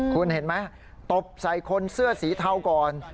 คุณเห็นไหมตบใส่คนเสื้อสีเทาก่อน